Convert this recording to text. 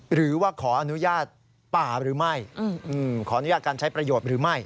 หรือว่าขออนุญาตป่าหรือไม่ขออนุญาตการใช้ประโยชน์หรือไม่